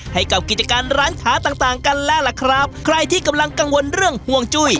ให้กับกิจการร้านค้าต่างต่างกันแล้วล่ะครับใครที่กำลังกังวลเรื่องห่วงจุ้ย